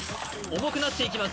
重くなっていきます